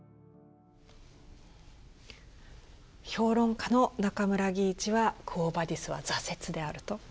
評論家の中村義一は「クォ・ヴァディス」は挫折であると。